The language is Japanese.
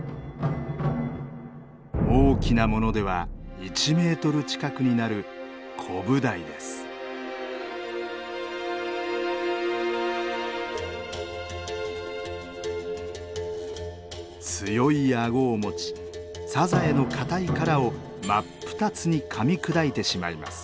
大きなものでは１メートル近くになる強い顎を持ちサザエの硬い殻を真っ二つにかみ砕いてしまいます。